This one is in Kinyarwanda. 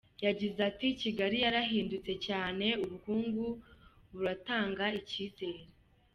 Yagize ati “Kigali yarahindutse cyane, ubukungu buratanga icyizere.